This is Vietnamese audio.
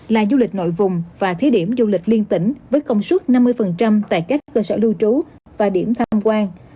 là du lịch nội vùng và thí điểm du lịch liên tỉnh với công suất năm mươi tại các cơ sở lưu trú và điểm tham quan